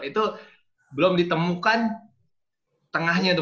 itu belum ditemukan tengahnya itu